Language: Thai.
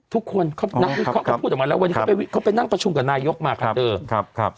ทุกคนเขาพูดออกมาแล้ววันนี้เขาไปนั่งประชุมกับนายกมากันเดิม